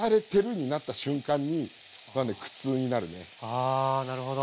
ああなるほど。